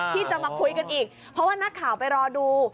ที่จะมาคุยกันอีกเพราะว่านักข่าวไปรอดู